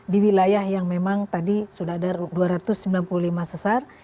di wilayah yang memang tadi sudah ada dua ratus sembilan puluh lima sesar